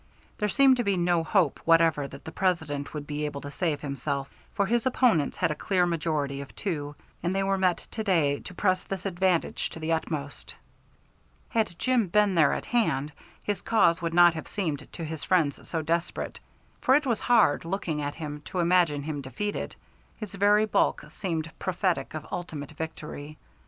There seemed to be no hope whatever that the President would be able to save himself, for his opponents had a clear majority of two, and they were met to day to press this advantage to the utmost. Had Jim been there at hand, his cause would not have seemed to his friends so desperate, for it was hard, looking at him, to imagine him defeated; his very bulk seemed prophetic of ultimate victory.